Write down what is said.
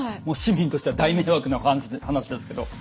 もう市民としては大迷惑な話ですけど。